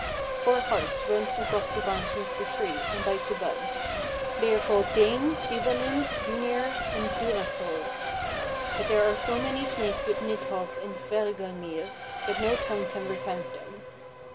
Four harts run across the branches of the tree, and bite the buds. They are called Dainn, Divalinn, Duneyr, and Durathror. But there are so many snakes with Nidhogg in Hvergelmir that no tongue can recount them."